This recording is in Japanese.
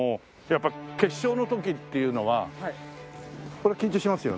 やっぱ決勝の時っていうのは緊張しますよね？